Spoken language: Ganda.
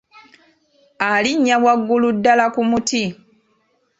Alinya waggulu ddala ku muti.